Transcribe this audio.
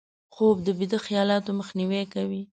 خوب د بدو خیالاتو مخنیوی کوي